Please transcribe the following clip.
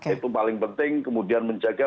itu paling penting kemudian menjaga